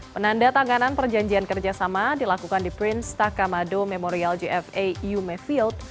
penanda tanganan perjanjian kerjasama dilakukan di prince takamado memorial jfa yume field